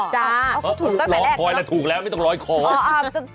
รอคอยแล้วถูกแล้วไม่ต้องลอยคอ